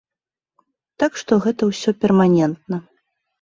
Так што гэта ўсё перманентна.